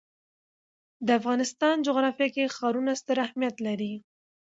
د افغانستان جغرافیه کې ښارونه ستر اهمیت لري.